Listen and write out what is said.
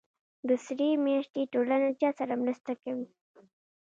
د سرې میاشتې ټولنه چا سره مرسته کوي؟